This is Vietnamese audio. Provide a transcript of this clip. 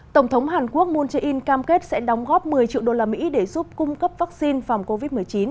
tổng thống hàn quốc moon jae in cam kết sẽ đóng góp một mươi triệu đô la mỹ để giúp cung cấp vaccine phòng covid một mươi chín